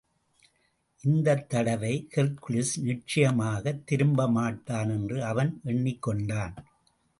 இந்தத் தடவை ஹெர்க்குலிஸ் நிச்சயமாகத் திரும்ப மாட்டான் என்று அவன் எண்ணிக்கொண்டான்.